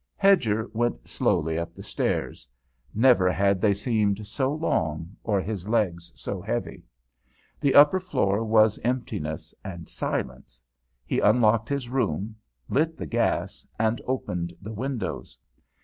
Hedger went slowly up the stairs never had they seemed so long, or his legs so heavy. The upper floor was emptiness and silence. He unlocked his room, lit the gas, and opened the windows.